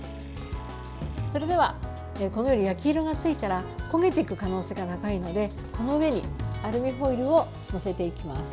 それでは、焼き色がついたら焦げていく可能性が高いのでこの上にアルミホイルを載せていきます。